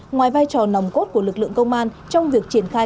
ngoài vai trò nòng cốt của lực lượng công an trong việc triển khai